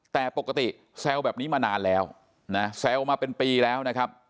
แต่ปกติแซวแบบนี้มานานแล้วนะแซวมาเป็นปีแล้วนะครับ